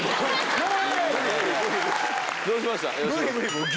どうしました？